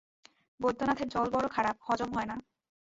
বৈদ্যনাথের জল বড় খারাপ, হজম হয় না।